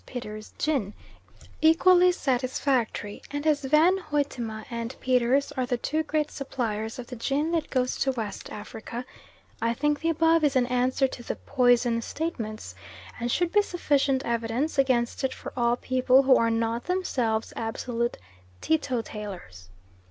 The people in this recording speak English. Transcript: Peters' gin, equally satisfactory, and as Van Hoytima and Peters are the two great suppliers of the gin that goes to West Africa, I think the above is an answer to the "poison" statements, and should be sufficient evidence against it for all people who are not themselves absolute teetotalers.